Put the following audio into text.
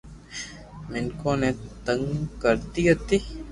مينکون ني تنگ ڪرتي ھتي